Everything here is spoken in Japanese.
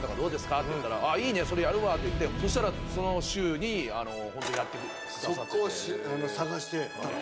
って言ったら、ああ、いいね、それやるって言って、そうしたらその週に、本当に速攻、探して。